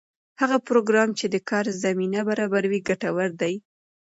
هغه پروګرام چې د کار زمینه برابروي ګټور دی.